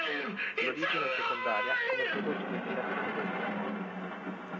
L'origine è secondaria, come prodotto di ossidazione dell'antimonio.